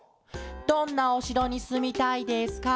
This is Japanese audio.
「どんなおしろにすみたいですか？